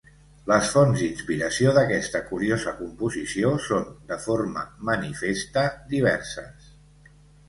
Les fonts d'inspiració d'aquesta curiosa composició són, de forma manifesta, diverses.